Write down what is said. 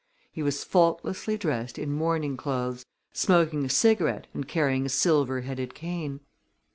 He was faultlessly dressed in morning clothes, smoking a cigarette and carrying a silver headed cane.